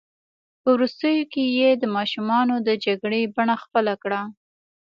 په وروستیو کې یې د ماشومانو د جګړې بڼه خپله کړه.